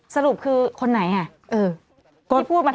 สรุปคือคนไหนอ่ะ